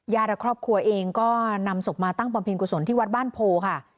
ญาติและครอบครัวเองก็นำศพมาตั้งปรอมเพียงกุศลที่วัดบ้านโภค่ะ